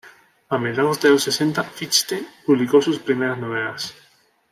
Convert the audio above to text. A mediados de los sesenta Fichte publicó sus primeras novelas.